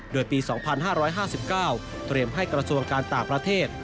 โดยปี๒๕๕๙เตรียมให้กระทรวงการต่างประเทศ